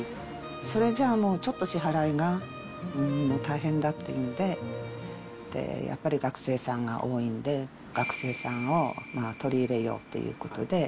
それじゃあもう、ちょっと支払いがもう大変だっていうんで、やっぱり学生さんが多いんで、学生さんを取り入れようということで。